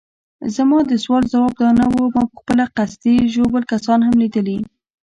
زما د سوال ځواب دا نه وو، ما پخپله قصدي ژوبل کسان هم لیدلي.